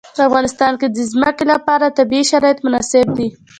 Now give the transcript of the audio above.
په افغانستان کې د ځمکه لپاره طبیعي شرایط مناسب دي.